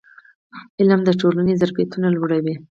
علم د ټولنې ظرفیتونه لوړوي.